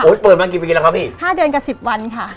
เปิดมากี่ปีแล้วครับพี่ห้าเดือนกับสิบวันค่ะ